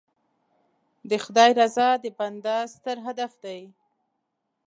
د خدای رضا د بنده ستر هدف دی.